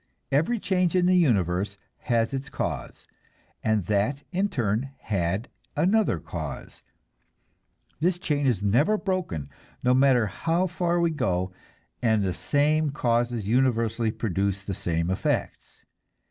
Every change in the universe has its cause, and that in turn had another cause; this chain is never broken, no matter how far we go, and the same causes universally produce the same effects.